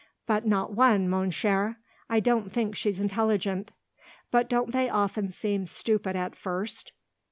But not one, mon cher. I don't think she's intelligent." "But don't they often seem stupid at first?"